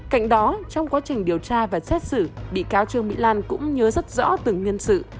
cạnh đó trong quá trình điều tra và xét xử bị cáo trương mỹ lan cũng nhớ rất rõ từng nhân sự